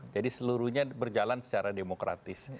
jadi seluruhnya berjalan secara demokratis